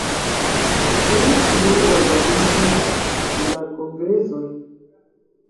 Ĉu ni plu organizu la kongresojn?